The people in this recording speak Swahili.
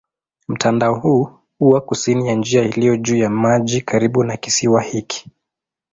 Mtandao huu huwa kusini ya njia iliyo juu ya maji karibu na kisiwa hiki.